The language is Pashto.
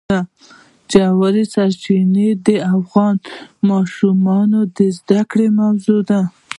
ژورې سرچینې د افغان ماشومانو د زده کړې موضوع ده.